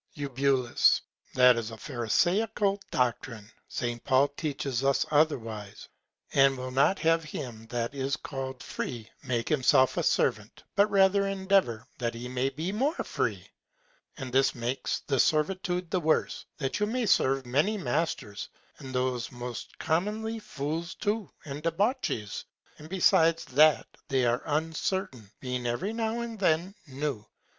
Eu. That is a pharisaical Doctrine. St. Paul teacheth us otherwise, and will not have him that is called free, make himself a Servant, but rather endeavour that he may be more free: And this makes the Servitude the worse, that you must serve many Masters, and those most commonly Fools too, and Debauchees; and besides that, they are uncertain, being every now and then new.